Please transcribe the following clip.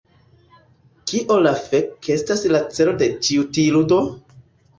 Kio la fek estas la celo de ĉi tiu ludo?